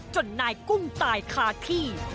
นายกุ้งตายคาที่